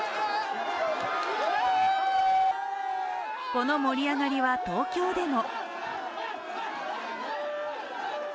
この盛り上がりは東京でも。